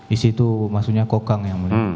isi itu maksudnya kokang yang mulia